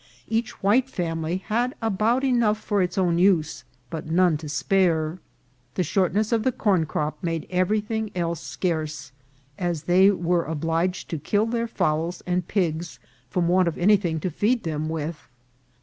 Each white family had about enough for its own use, but none to spare. The shortness of the corn crop made everything else scarce, as they were obliged to kill their fowls and pigs from want of any thing to feed them with.